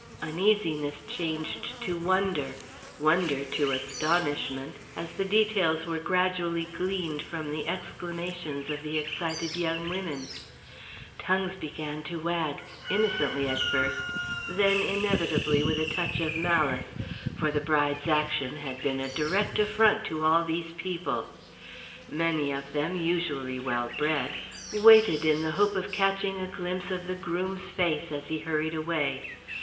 Uneasiness changed to wonder, wonder to astonishment, as the details were gradually gleaned from the exclamations of the excited young women; tongues began to wag, innocently at first, then, inevitably, with a touch of malice, for the bride's action had been a direct affront to all these people. Many of them, usually well bred, waited in the hope of catching a glimpse of the groom's face as he hurried away.